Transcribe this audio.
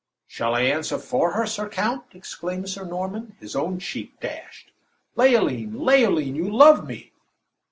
"Shall I answer for her, Sir Count?" exclaimed Sir Norman, his own cheek dashed. "Leoline! Leoline! you love me!"